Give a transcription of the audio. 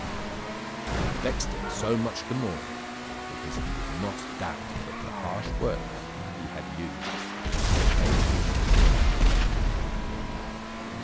It vexed him so much the more, because he did not doubt but the harsh words he had used had occasioned his flight.